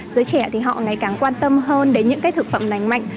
giới trẻ thì họ ngày càng quan tâm hơn đến những thực phẩm nành mạnh